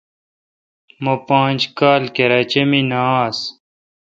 مہ پانچ کال کراچے°مے° نہ آس۔